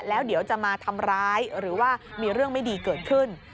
แล้วเดี๋ยวจะมาทำร้ายหรือว่ามีเรื่องไม่ดีเกิดขึ้น